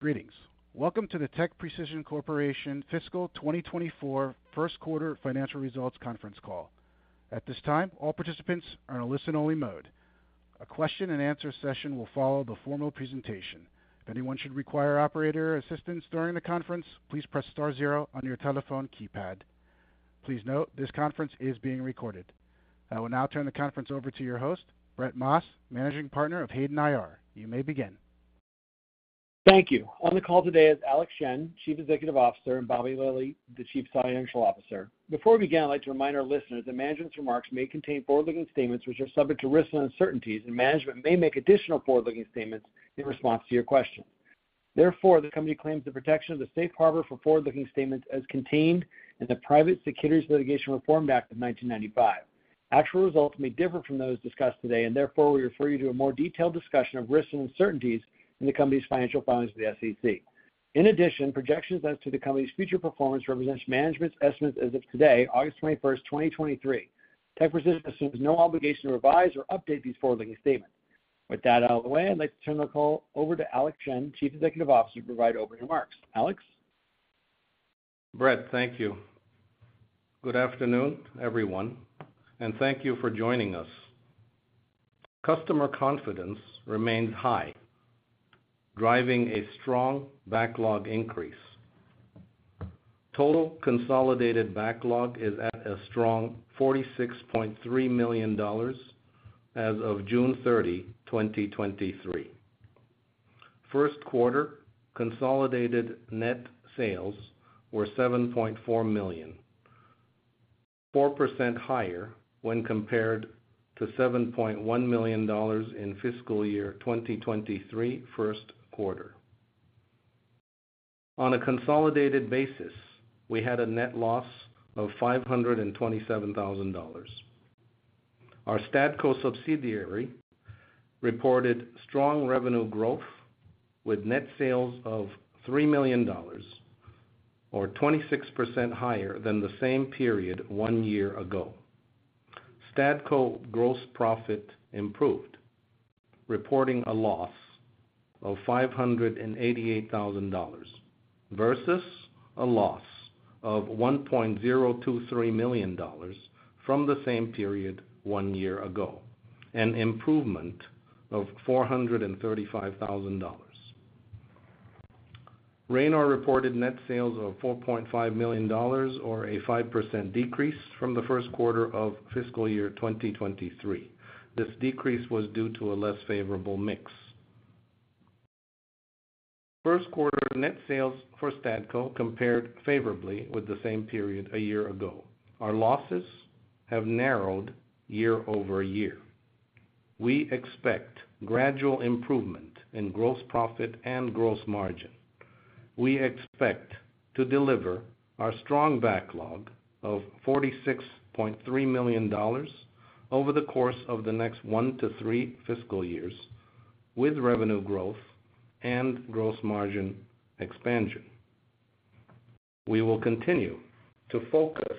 Greetings. Welcome to the TechPrecision Corporation Fiscal 2024 first quarter financial results conference call. At this time, all participants are in a listen-only mode. A question-and-answer session will follow the formal presentation. If anyone should require operator assistance during the conference, please press star zero on your telephone keypad. Please note, this conference is being recorded. I will now turn the conference over to your host, Brett Maas, Managing Partner of Hayden IR. You may begin. Thank you. On the call today is Alexander Shen, Chief Executive Officer, and Bobby Lilley, the Chief Financial Officer. Before we begin, I'd like to remind our listeners that management's remarks may contain forward-looking statements which are subject to risks and uncertainties, and management may make additional forward-looking statements in response to your questions. Therefore, the company claims the protection of the safe harbor for forward-looking statements as contained in the Private Securities Litigation Reform Act of 1995. Actual results may differ from those discussed today, and therefore, we refer you to a more detailed discussion of risks and uncertainties in the company's financial filings with the SEC. In addition, projections as to the company's future performance represents management's estimates as of today, August 21st, 2023. TechPrecision assumes no obligation to revise or update these forward-looking statements. With that out of the way, I'd like to turn the call over to Alexander Shen, Chief Executive Officer, to provide opening remarks. Alex? Brett, thank you. Good afternoon, everyone, and thank you for joining us. Customer confidence remains high, driving a strong backlog increase. Total consolidated backlog is at a strong $46.3 million as of June 30, 2023. First quarter consolidated net sales were $7.4 million, 4% higher when compared to $7.1 million in fiscal year 2023 first quarter. On a consolidated basis, we had a net loss of $527,000. Our Stadco subsidiary reported strong revenue growth with net sales of $3 million, or 26% higher than the same period one year ago. Stadco gross profit improved, reporting a loss of $588,000 versus a loss of $1.023 million from the same period one year ago, an improvement of $435,000. Ranor reported net sales of $4.5 million or a 5% decrease from the first quarter of fiscal year 2023. This decrease was due to a less favorable mix. First quarter net sales for Stadco compared favorably with the same period a year ago. Our losses have narrowed year-over-year. We expect gradual improvement in gross profit and gross margin. We expect to deliver our strong backlog of $46.3 million over the course of the next one to three fiscal years with revenue growth and gross margin expansion. We will continue to focus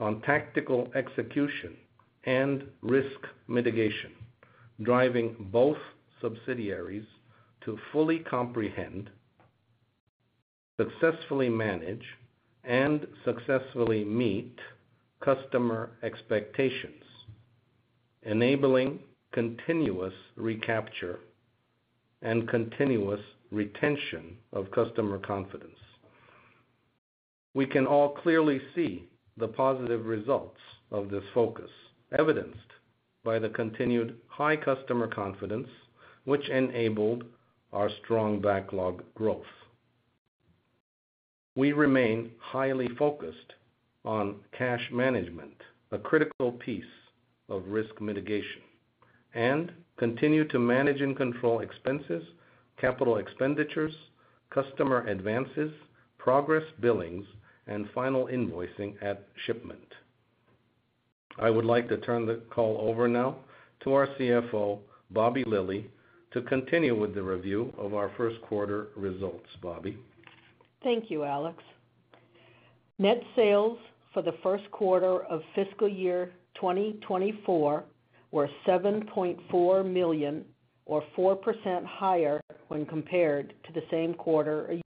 on tactical execution and risk mitigation, driving both subsidiaries to fully comprehend, successfully manage, and successfully meet customer expectations, enabling continuous recapture and continuous retention of customer confidence. We can all clearly see the positive results of this focus, evidenced by the continued high customer confidence which enabled our strong backlog growth. We remain highly focused on cash management, a critical piece of risk mitigation, and continue to manage and control expenses, capital expenditures, customer advances, progress billings, and final invoicing at shipment. I would like to turn the call over now to our CFO, Bobby Lilley, to continue with the review of our first quarter results. Bobby? Thank you, Alex. Net sales for the first quarter of fiscal year 2024 were $7.4 million, or 4% higher when compared to the same quarter.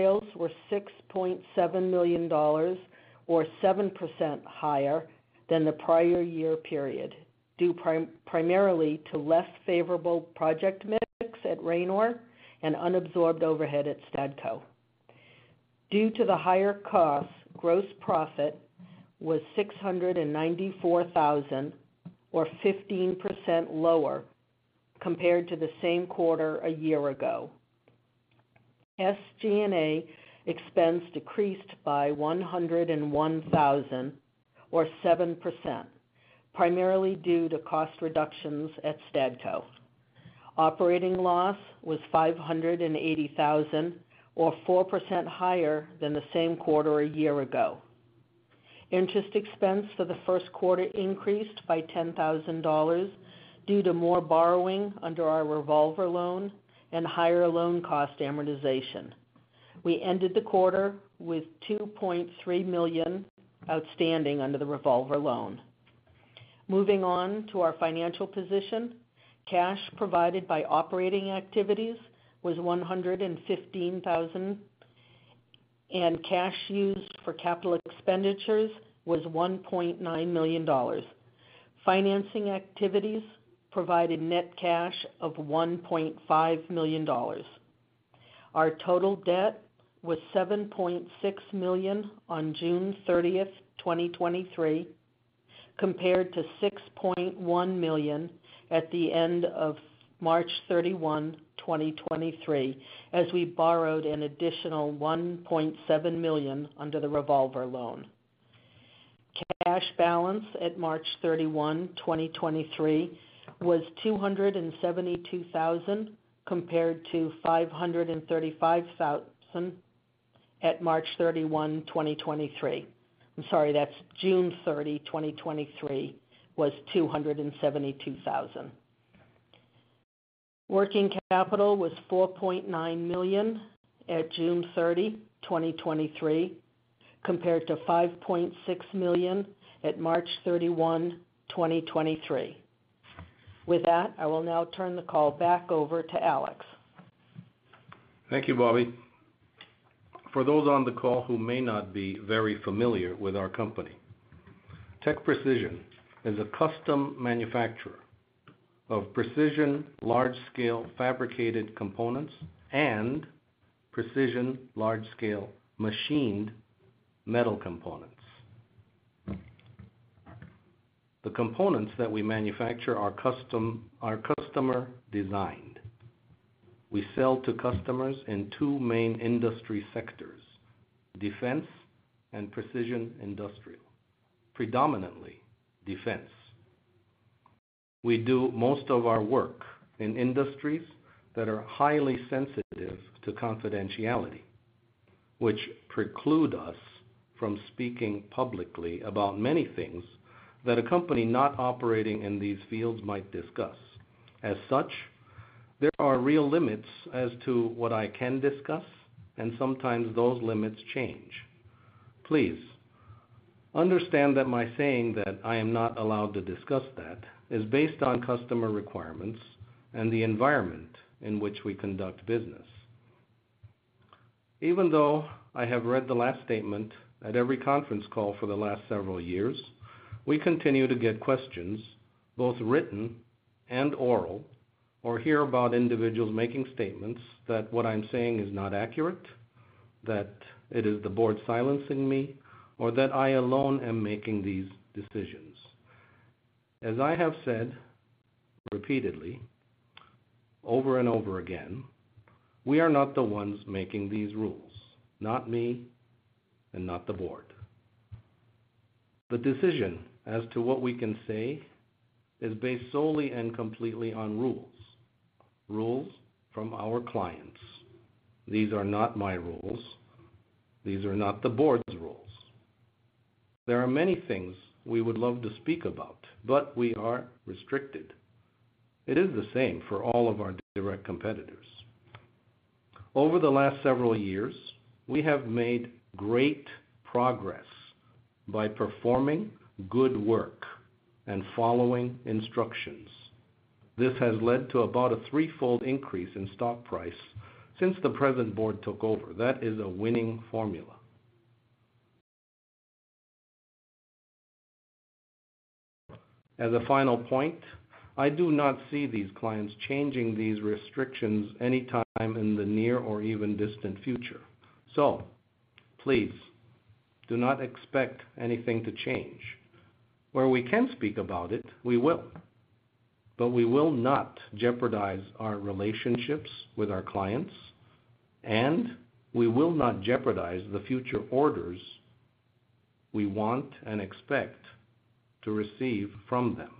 Sales were $6.7 million, or 7% higher than the prior year period, due primarily to less favorable project mix at Ranor and unabsorbed overhead at Stadco. Due to the higher costs, gross profit was $694,000 or 15% lower compared to the same quarter a year ago. SG&A expense decreased by $101,000 or 7%, primarily due to cost reductions at Stadco. Operating loss was $580,000, or 4% higher than the same quarter a year ago. Interest expense for the first quarter increased by $10,000 due to more borrowing under our revolver loan and higher loan cost amortization. We ended the quarter with $2.3 million outstanding under the revolver loan. Moving on to our financial position. Cash provided by operating activities was $115,000, and cash used for capital expenditures was $1.9 million. Financing activities provided net cash of $1.5 million. Our total debt was $7.6 million on June 30th, 2023, compared to $6.1 million at the end of March 31, 2023, as we borrowed an additional $1.7 million under the revolver loan. Cash balance at March 31, 2023, was $272,000, compared to $535,000 at March 31, 2023. I'm sorry, that's June 30, 2023, was $272,000. Working capital was $4.9 million at June 30, 2023, compared to $5.6 million at March 31, 2023. With that, I will now turn the call back over to Alex. Thank you, Bobby. For those on the call who may not be very familiar with our company, TechPrecision is a custom manufacturer of precision, large-scale fabricated components and precision large-scale machined metal components. The components that we manufacture are customer designed. We sell to customers in two main industry sectors, defense and precision industrial, predominantly defense. We do most of our work in industries that are highly sensitive to confidentiality, which preclude us from speaking publicly about many things that a company not operating in these fields might discuss. As such, there are real limits as to what I can discuss, and sometimes those limits change. Please understand that my saying that I am not allowed to discuss that is based on customer requirements and the environment in which we conduct business. Even though I have read the last statement at every conference call for the last several years, we continue to get questions, both written and oral, or hear about individuals making statements that what I'm saying is not accurate, that it is the board silencing me, or that I alone am making these decisions. As I have said repeatedly, over and over again, we are not the ones making these rules, not me and not the board. The decision as to what we can say is based solely and completely on rules, rules from our clients. These are not my rules. These are not the board's rules. There are many things we would love to speak about, but we are restricted. It is the same for all of our direct competitors. Over the last several years, we have made great progress by performing good work and following instructions. This has led to about a threefold increase in stock price since the present board took over. That is a winning formula. As a final point, I do not see these clients changing these restrictions anytime in the near or even distant future. So please do not expect anything to change. Where we can speak about it, we will, but we will not jeopardize our relationships with our clients, and we will not jeopardize the future orders we want and expect to receive from them.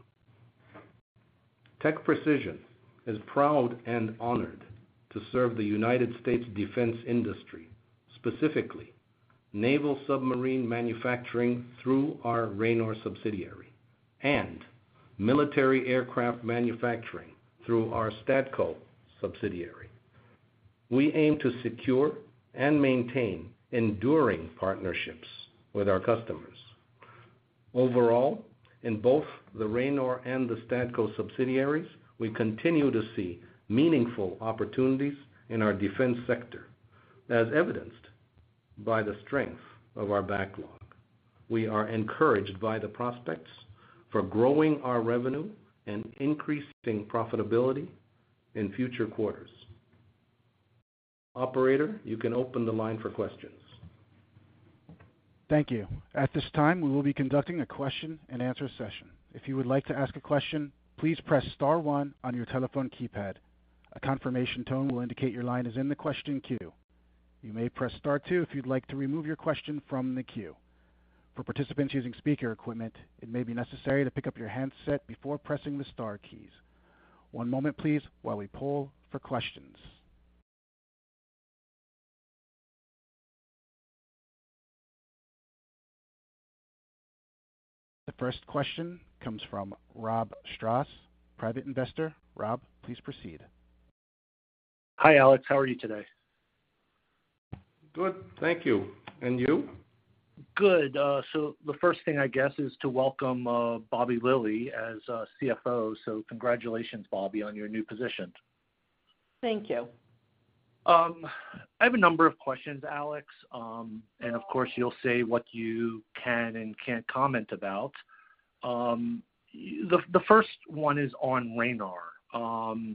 TechPrecision is proud and honored to serve the United States defense industry, specifically naval submarine manufacturing through our Ranor subsidiary and military aircraft manufacturing through our Stadco subsidiary. We aim to secure and maintain enduring partnerships with our customers. Overall, in both the Ranor and the Stadco subsidiaries, we continue to see meaningful opportunities in our defense sector, as evidenced by the strength of our backlog. We are encouraged by the prospects for growing our revenue and increasing profitability in future quarters. Operator, you can open the line for questions. Thank you. At this time, we will be conducting a question-and-answer session. If you would like to ask a question, please press star one on your telephone keypad. A confirmation tone will indicate your line is in the question queue. You may press Star two if you'd like to remove your question from the queue. For participants using speaker equipment, it may be necessary to pick up your handset before pressing the star keys. One moment, please, while we poll for questions. The first question comes from Rob Straus, private investor. Rob, please proceed. Hi, Alex. How are you today? Good. Thank you. You? Good. The first thing, I guess, is to welcome, Bobby Lilley as our CFO. Congratulations, Bobby, on your new position. Thank you. I have a number of questions, Alex, of course, you'll say what you can and can't comment about. The first one is on Ranor.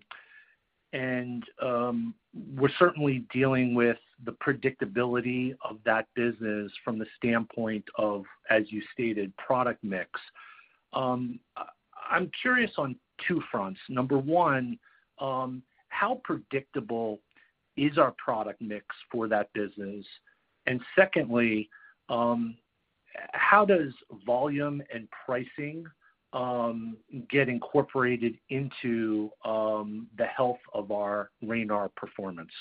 We're certainly dealing with the predictability of that business from the standpoint of, as you stated, product mix. I'm curious on two fronts. Number one, how predictable is our product mix for that business? Secondly, how does volume and pricing get incorporated into the health of our Ranor performance?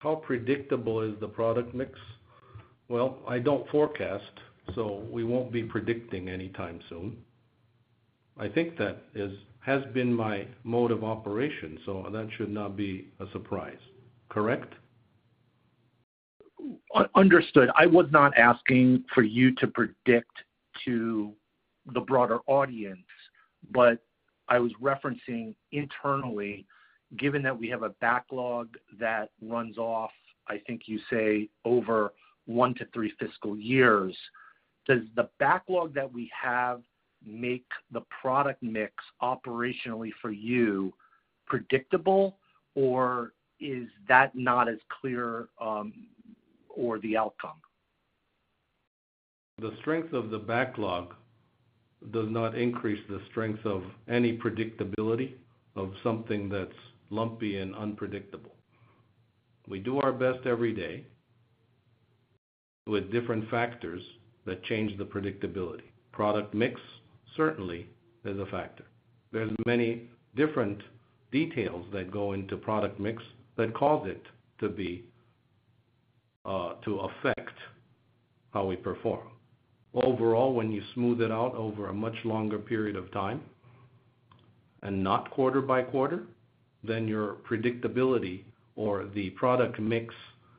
How predictable is the product mix? Well, I don't forecast, so we won't be predicting anytime soon. I think that is, has been my mode of operation, so that should not be a surprise. Correct? Understood. I was not asking for you to predict to the broader audience, but I was referencing internally, given that we have a backlog that runs off, I think you say, over one to three fiscal years. Does the backlog that we have make the product mix operationally for you predictable, or is that not as clear, or the outcome? The strength of the backlog does not increase the strength of any predictability of something that's lumpy and unpredictable. We do our best every day with different factors that change the predictability. Product mix, certainly, is a factor. There's many different details that go into product mix that cause it to be to affect how we perform. Overall, when you smooth it out over a much longer period of time, and not quarter by quarter, then your predictability or the product mix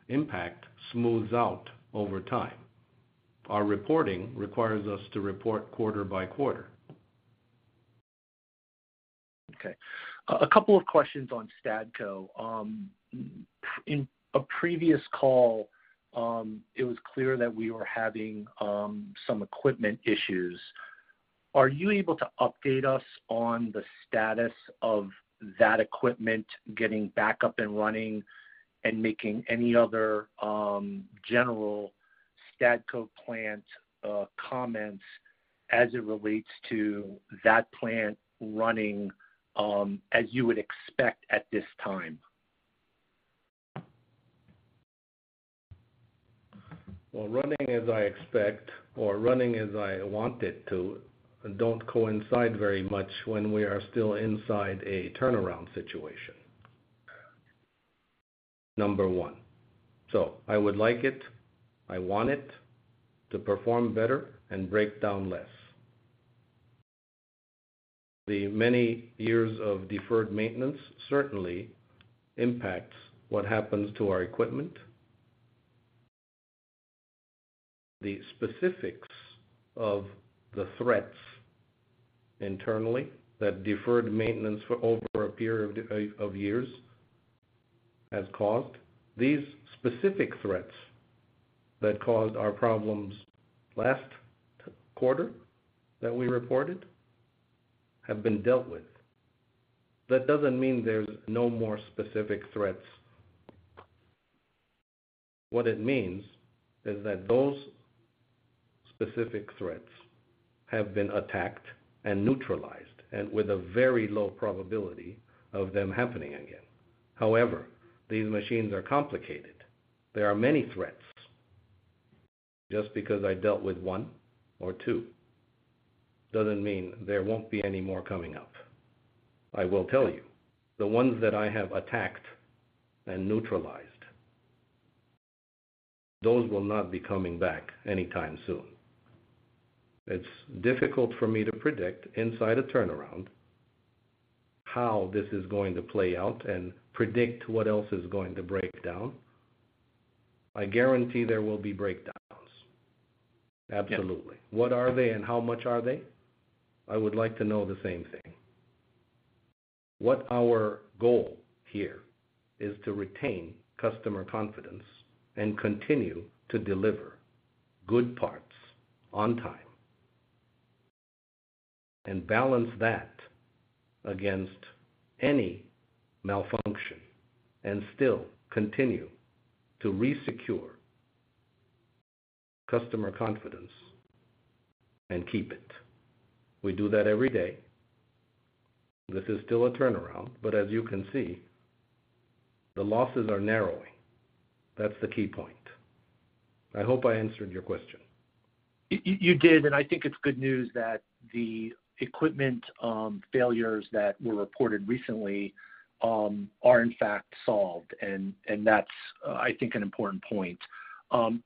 impact smooths out over time. Our reporting requires us to report quarter by quarter. Okay. A couple of questions on Stadco. In a previous call, it was clear that we were having, some equipment issues. Are you able to update us on the status of that equipment getting back up and running and making any other, general Stadco plant, comments as it relates to that plant running, as you would expect at this time? Well, running as I expect or running as I want it to, don't coincide very much when we are still inside a turnaround situation. Number one. I would like it, I want it to perform better and break down less. The many years of deferred maintenance certainly impacts what happens to our equipment. The specifics of the threats internally, that deferred maintenance for over a period of years, has caused these specific threats that caused our problems last quarter that we reported, have been dealt with. That doesn't mean there's no more specific threats. What it means is that those specific threats have been attacked and neutralized, and with a very low probability of them happening again. These machines are complicated. There are many threats. Just because I dealt with one or two, doesn't mean there won't be any more coming up. I will tell you, the ones that I have attacked and neutralized, those will not be coming back anytime soon. It's difficult for me to predict inside a turnaround how this is going to play out and predict what else is going to break down. I guarantee there will be breakdowns. Absolutely. What are they and how much are they? I would like to know the same thing. What our goal here is to retain customer confidence and continue to deliver good parts on time, and balance that against any malfunction and still continue to resecure customer confidence and keep it. We do that every day. This is still a turnaround, but as you can see, the losses are narrowing. That's the key point. I hope I answered your question. You, you did, and I think it's good news that the equipment, failures that were reported recently, are in fact solved, and that's, I think, an important point.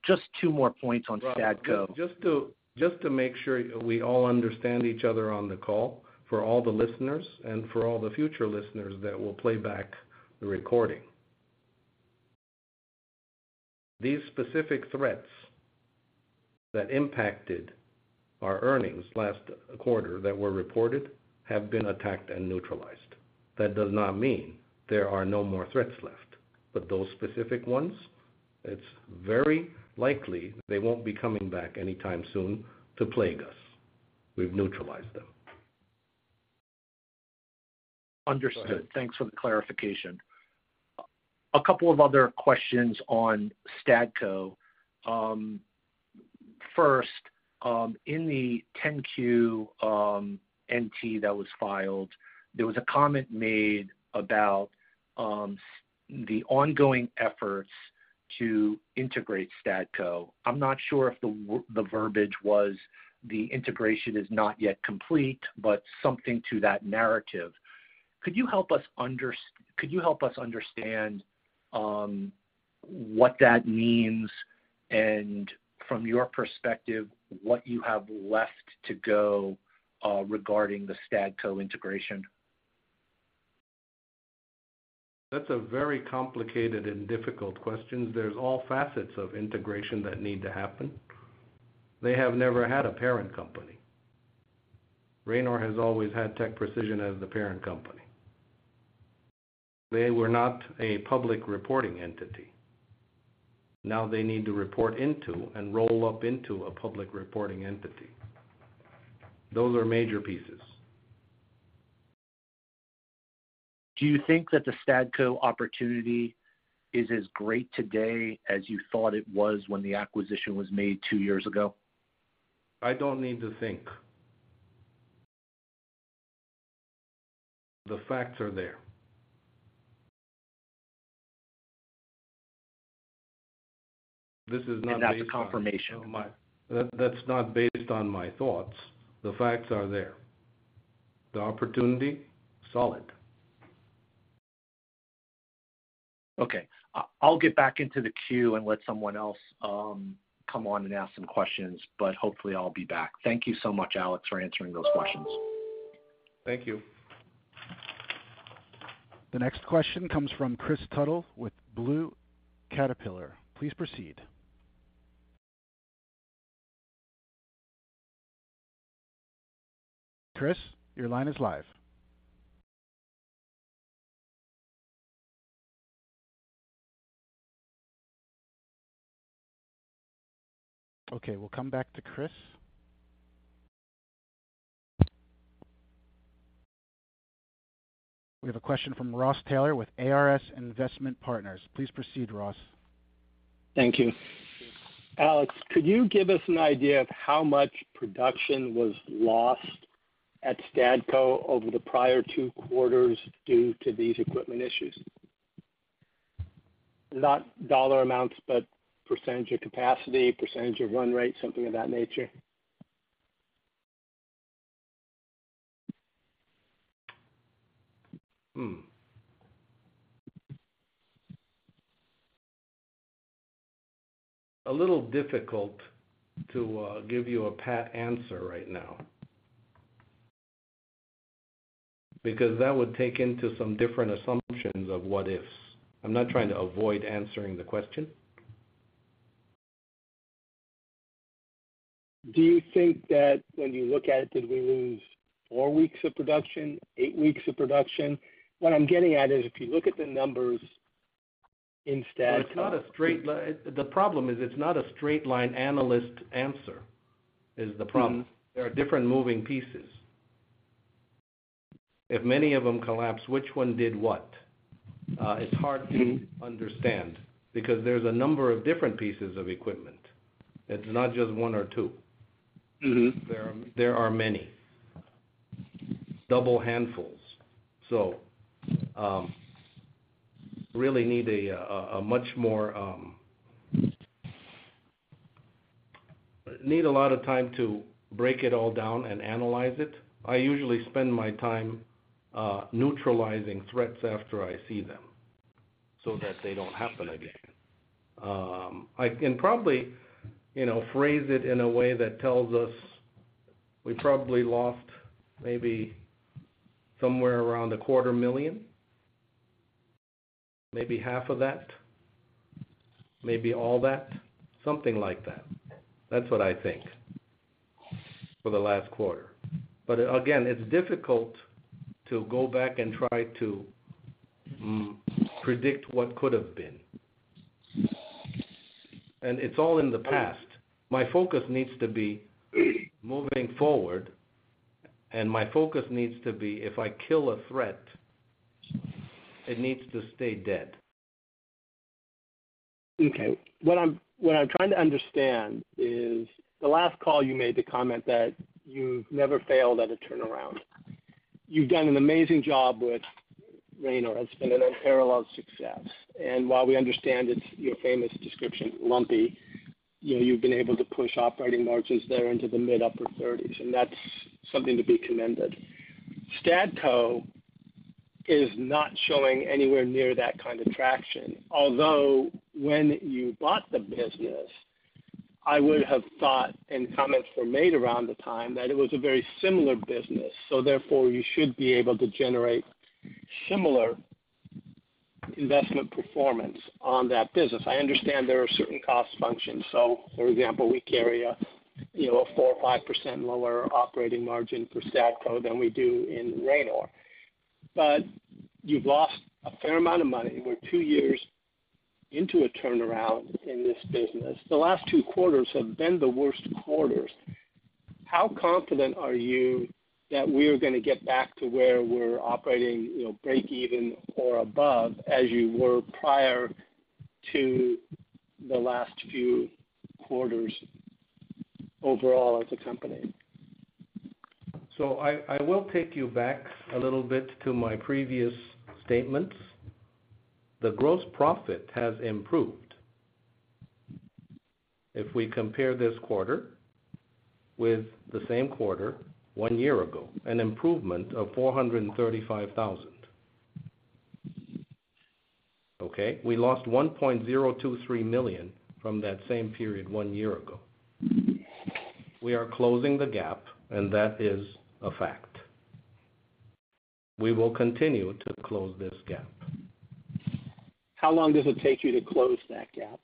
Just two more points on Stadco. Just to, just to make sure we all understand each other on the call, for all the listeners and for all the future listeners that will play back the recording. These specific threats that impacted our earnings last quarter that were reported, have been attacked and neutralized. That does not mean there are no more threats left, but those specific ones, it's very likely they won't be coming back anytime soon to plague us. We've neutralized them. Understood. Thanks for the clarification. A couple of other questions on Stadco. First, in the Form 10-Q NT that was filed, there was a comment made about the ongoing efforts to integrate Stadco. I'm not sure if the the verbiage was, the integration is not yet complete, but something to that narrative. Could you help us Could you help us understand what that means and from your perspective, what you have left to go, regarding the Stadco integration? That's a very complicated and difficult question. There's all facets of integration that need to happen. They have never had a parent company. Ranor has always had TechPrecision as the parent company. They were not a public reporting entity. Now they need to report into and roll up into a public reporting entity. Those are major pieces. Do you think that the Stadco opportunity is as great today as you thought it was when the acquisition was made two years ago? I don't need to think. The facts are there. This is not based on- That's confirmation. That's not based on my thoughts. The facts are there. The opportunity, solid. Okay. I'll get back into the queue and let someone else come on and ask some questions, but hopefully I'll be back. Thank you so much, Alex, for answering those questions. Thank you. The next question comes from Kris Tuttle with Blue Caterpillar. Please proceed. Chris, your line is live. Okay, we'll come back to Chris. We have a question from Ross Taylor with ARS Investment Partners. Please proceed, Ross. Thank you. Alex, could you give us an idea of how much production was lost at Stadco over the prior two quarters due to these equipment issues? Not dollar amounts, but % of capacity, % of run rate, something of that nature. A little difficult to give you a pat answer right now. Because that would take into some different assumptions of what if. I'm not trying to avoid answering the question. Do you think that when you look at it, did we lose 4 weeks of production, 8 weeks of production? What I'm getting at is if you look at the numbers in Stadco- It's not a straight line. The problem is, it's not a straight-line analyst answer is the problem. Mm-hmm. There are different moving pieces. If many of them collapse, which one did what? It's hard to understand because there's a number of different pieces of equipment. It's not just one or two. Mm-hmm. There are, there are many. Double handfuls. Really need a much more... Need a lot of time to break it all down and analyze it. I usually spend my time neutralizing threats after I see them, so that they don't happen again. I can probably, you know, phrase it in a way that tells us we probably lost maybe somewhere around $250,000, maybe $125,000, maybe $250,000, something like that. That's what I think for the last quarter. Again, it's difficult to go back and try to predict what could have been. It's all in the past. My focus needs to be moving forward, and my focus needs to be, if I kill a threat, it needs to stay dead. Okay. What I'm, what I'm trying to understand is, the last call you made, the comment that you've never failed at a turnaround. You've done an amazing job with Ranor. It's been an unparalleled success. While we understand it's your famous description, lumpy, you know, you've been able to push operating margins there into the mid, upper 30s, and that's something to be commended. Stadco is not showing anywhere near that kind of traction. When you bought the business, I would have thought, and comments were made around the time, that it was a very similar business, so therefore you should be able to generate similar investment performance on that business. I understand there are certain cost functions. For example, we carry a, you know, a 4% or 5% lower operating margin for Stadco than we do in Ranor. You've lost a fair amount of money. We're two years into a turnaround in this business. The last two quarters have been the worst quarters. How confident are you that we're gonna get back to where we're operating, you know, break even or above, as you were prior to the last few quarters overall as a company? I, I will take you back a little bit to my previous statements. The gross profit has improved. If we compare this quarter with the same quarter one year ago, an improvement of $435,000. Okay, we lost $1.023 million from that same period one year ago. We are closing the gap, and that is a fact. We will continue to close this gap. How long does it take you to close that gap?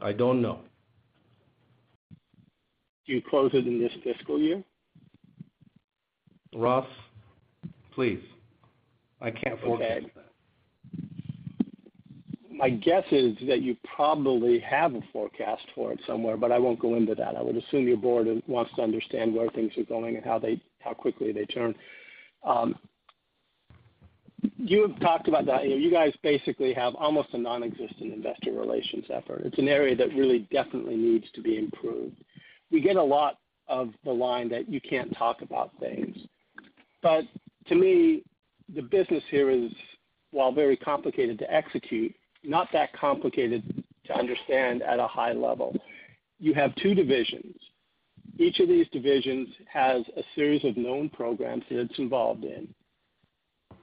I don't know. Do you close it in this fiscal year? Ross, please, I can't forecast that. My guess is that you probably have a forecast for it somewhere, but I won't go into that. I would assume your board wants to understand where things are going and how quickly they turn. You've talked about that. You guys basically have almost a nonexistent investor relations effort. It's an area that really definitely needs to be improved. We get a lot of the line that you can't talk about things, but to me, the business here is, while very complicated to execute, not that complicated to understand at a high level. You have two divisions. Each of these divisions has a series of known programs that it's involved in.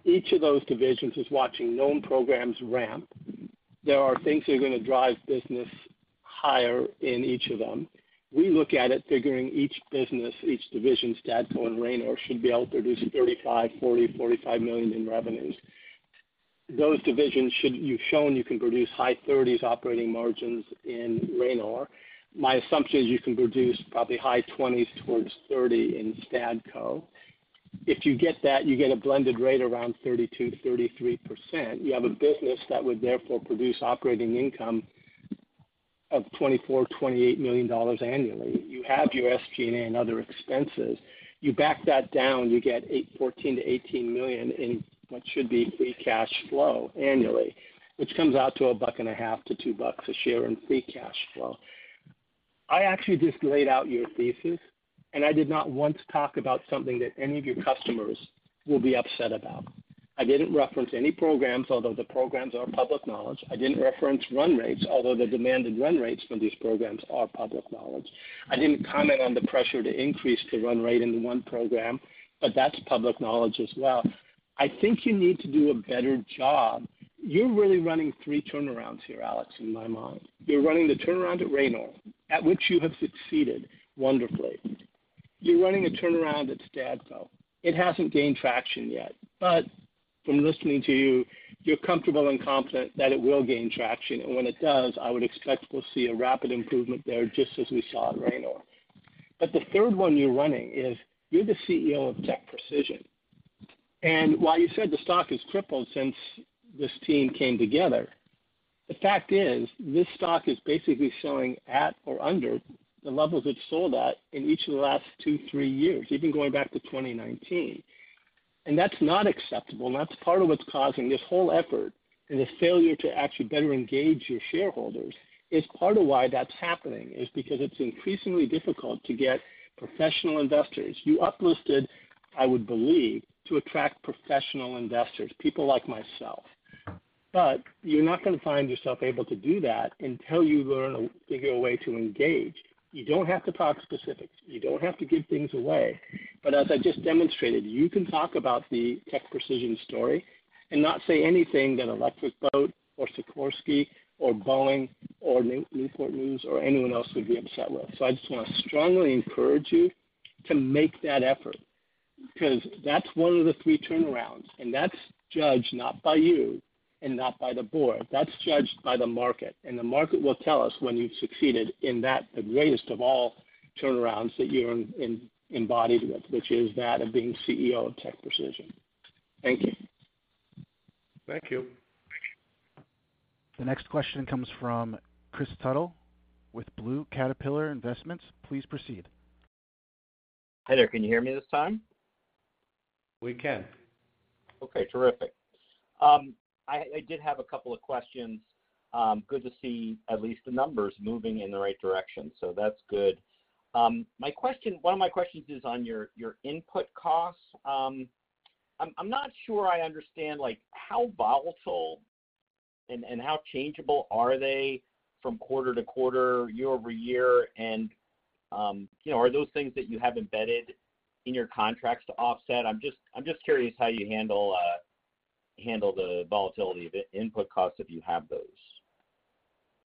Each of those divisions is watching known programs ramp. There are things that are gonna drive business higher in each of them. We look at it figuring each business, each division, Stadco and Ranor, should be able to produce $35 million, $40 million, $45 million in revenues. Those divisions, should you've shown you can produce high 30s operating margins in Ranor. My assumption is you can produce probably high 20s towards 30 in Stadco. If you get that, you get a blended rate around 32%-33%. You have a business that would therefore produce operating income of $24 million-$28 million annually. You have your SG&A and other expenses. You back that down, you get $14 million-$18 million in what should be free cash flow annually, which comes out to $1.50-$2.00 a share in free cash flow. I actually just laid out your thesis, I did not once talk about something that any of your customers will be upset about. I didn't reference any programs, although the programs are public knowledge. I didn't reference run rates, although the demanded run rates for these programs are public knowledge. I didn't comment on the pressure to increase the run rate in one program, but that's public knowledge as well. I think you need to do a better job. You're really running three turnarounds here, Alex, in my mind. You're running the turnaround at Ranor, at which you have succeeded wonderfully. You're running a turnaround at Stadco. It hasn't gained traction yet, but from listening to you, you're comfortable and confident that it will gain traction. When it does, I would expect we'll see a rapid improvement there, just as we saw in Ranor. The third one you're running is you're the CEO of TechPrecision. While you said the stock has tripled since this team came together, the fact is, this stock is basically showing at or under the levels it sold at in each of the last two, three years, even going back to 2019. That's not acceptable, and that's part of what's causing this whole effort. The failure to actually better engage your shareholders is part of why that's happening, is because it's increasingly difficult to get professional investors. You up listed, I would believe, to attract professional investors, people like myself. You're not gonna find yourself able to do that until you learn a bigger way to engage. You don't have to talk specifics. You don't have to give things away. As I just demonstrated, you can talk about the TechPrecision story and not say anything that Electric Boat or Sikorsky or Boeing or Newport News or anyone else would be upset with. I just wanna strongly encourage you to make that effort, cause that's one of the three turnarounds, and that's judged not by you and not by the board. That's judged by the market, and the market will tell us when you've succeeded in that, the greatest of all turnarounds that you're embodied with, which is that of being CEO of TechPrecision. Thank you. Thank you. The next question comes from Kris Tuttle with Blue Caterpillar Investments. Please proceed. Hi there. Can you hear me this time? We can. Okay, terrific. I, I did have a couple of questions. Good to see at least the numbers moving in the right direction, so that's good. My question-- one of my questions is on your, your input costs. I'm, I'm not sure I understand, like, how volatile-... And, and how changeable are they from quarter to quarter, year over year? You know, are those things that you have embedded in your contracts to offset? I'm just, I'm just curious how you handle, handle the volatility of the input costs, if you have those.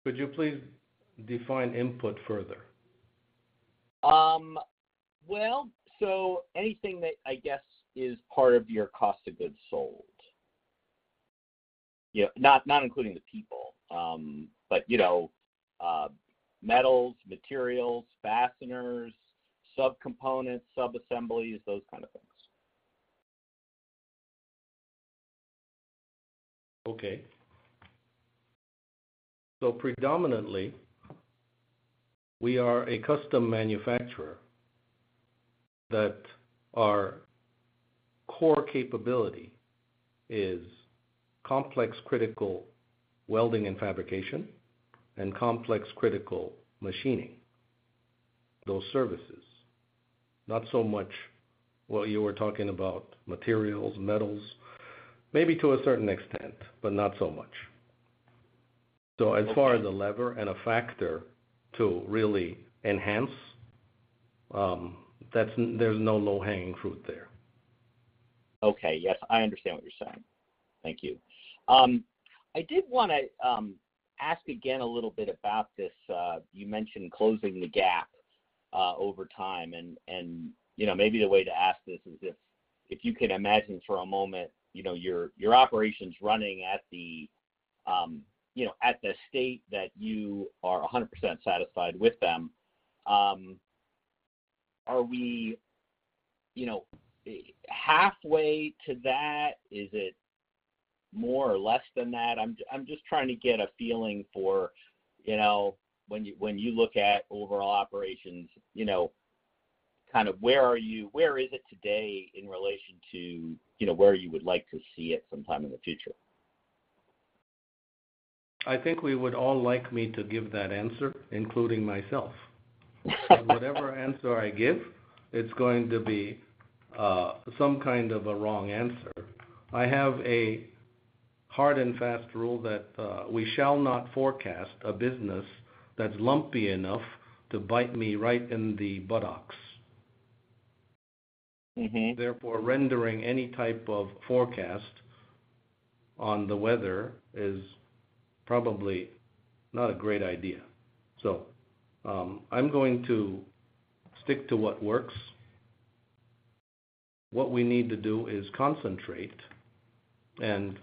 Could you please define input further? Well, anything that, I guess, is part of your cost of goods sold. You know, not, not including the people, but, you know, metals, materials, fasteners, subcomponents, subassemblies, those kind of things. Okay. Predominantly, we are a custom manufacturer, that our core capability is complex, critical welding and fabrication, and complex critical machining. Those services, not so much what you were talking about, materials, metals, maybe to a certain extent, but not so much. As far as a lever and a factor to really enhance, that's, there's no low-hanging fruit there. Okay. Yes, I understand what you're saying. Thank you. I did wanna ask again a little bit about this, you mentioned closing the gap over time, and, and, you know, maybe the way to ask this is if, if you can imagine for a moment, you know, your, your operations running at the, you know, at the state that you are 100% satisfied with them, are we, you know, halfway to that? Is it more or less than that? I'm just, I'm just trying to get a feeling for, you know, when you, when you look at overall operations, you know, kind of where are you-- where is it today in relation to, you know, where you would like to see it sometime in the future? I think we would all like me to give that answer, including myself. Whatever answer I give, it's going to be some kind of a wrong answer. I have a hard and fast rule that we shall not forecast a business that's lumpy enough to bite me right in the buttocks. Mm-hmm. Therefore, rendering any type of forecast on the weather is probably not a great idea. I'm going to stick to what works. What we need to do is concentrate, and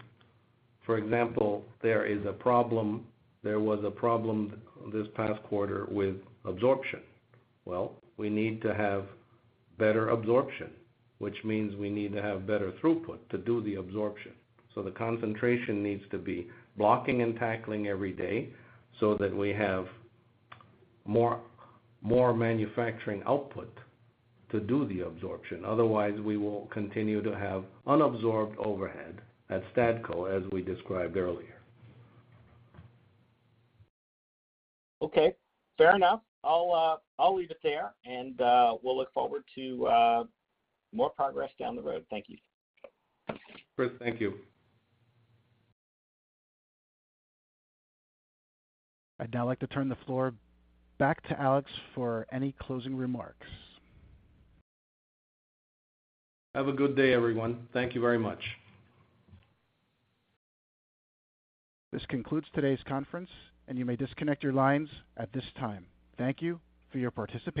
for example, there is a problem, there was a problem this past quarter with absorption. Well, we need to have better absorption, which means we need to have better throughput to do the absorption. So the concentration needs to be blocking and tackling every day, so that we have more, more manufacturing output to do the absorption. Otherwise, we will continue to have unabsorbed overhead at Stadco, as we described earlier. Okay, fair enough. I'll, I'll leave it there, and we'll look forward to more progress down the road. Thank you. Kris, thank you. I'd now like to turn the floor back to Alex for any closing remarks. Have a good day, everyone. Thank you very much. This concludes today's conference, and you may disconnect your lines at this time. Thank you for your participation.